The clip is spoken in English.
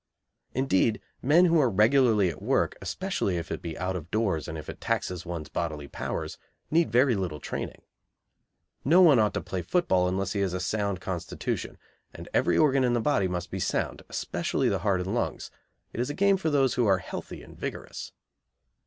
Indeed, men who are regularly at work, especially if it be out of doors and if it taxes one's bodily powers, need very little training. No one ought to play football unless he has a sound constitution, and every organ in the body must be sound, especially the heart and lungs; it is a game for those who are healthy and vigorous.